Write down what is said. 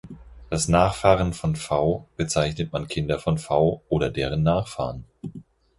Als "Nachfahren" von "v" bezeichnet man Kinder von "v" oder deren Nachfahren.